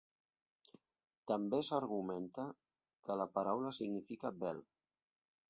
També s'argumenta que la paraula significa "bell".